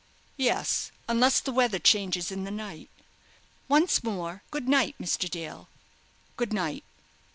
"Yes, unless the weather changes in the night." "Once more, good night, Mr. Dale." "Good night."